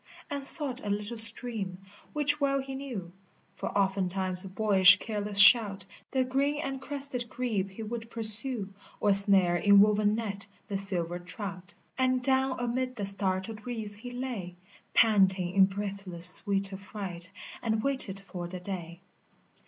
And sought a little stream, which well he knew, For oftentimes with boyish careless shout The green and crested grebe he would pursue, Or snare in woven net the silver trout, [»4] And down amid the startled reeds he lay Wanting in breathless sweet affright, and waited for the day.